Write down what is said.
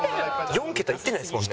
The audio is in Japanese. ４桁いってないですもんね。